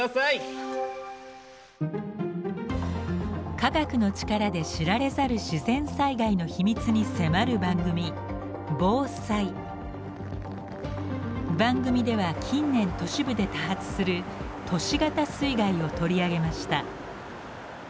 科学の力で知られざる自然災害の秘密に迫る番組番組では近年都市部で多発する「都市型水害」を取り上げました。